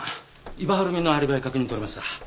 伊庭晴美のアリバイ確認取れました。